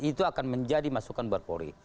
itu akan menjadi masukan buat polri